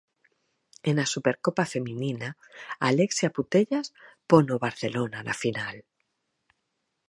E na Supercopa feminina Alexia Putellas pon o Barcelona na final.